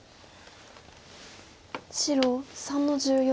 白３の十四。